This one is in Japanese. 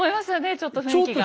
ちょっと雰囲気が。